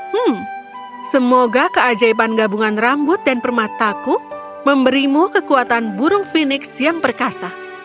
hmm semoga keajaiban gabungan rambut dan permataku memberimu kekuatan burung fenix yang perkasa